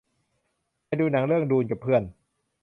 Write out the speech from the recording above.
ไปดูหนังเรื่องดูนกับเพื่อน